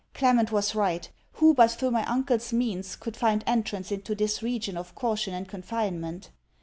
Clement was right. Who, but through my uncle's means, could find entrance into this region of caution and confinement?